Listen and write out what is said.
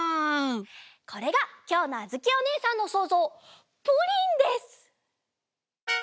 これがきょうのあづきおねえさんのそうぞうプリンです！